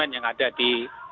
yang ada di